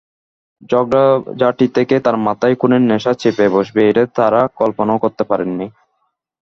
ঝগড়াঝাঁটি থেকে তাঁর মাথায় খুনের নেশা চেপে বসবে—এটি তাঁরা কল্পনাও করতে পারেননি।